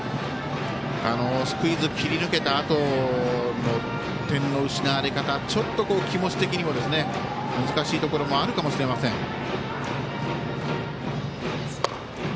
スクイズ切り抜けたあとの点の失われ方ちょっと気持ち的にも難しいところもあるかもしれません。